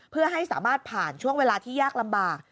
เพื่อให้สามารถผ่านช่วงเวลาที่ยากลำบาก